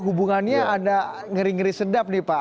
hubungannya ada ngeri ngeri sedap nih pak